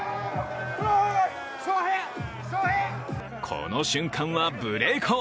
この瞬間は無礼講。